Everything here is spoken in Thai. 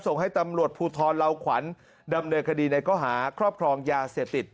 ส่งให้ตำรวจภูทรลาวขวัญดำเนินคดีในข้อหาครอบครองยาเสพติด